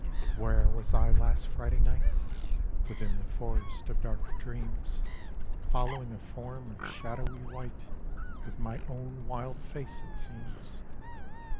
II Where was I last Friday night? Within the Forest of dark Dreams Following a form of shadowy white With my own wild face it seems.